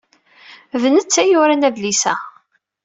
D netta ay yuran adlis-a.